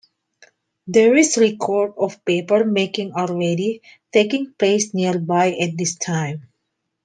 There is record of paper making already taking place nearby at this time.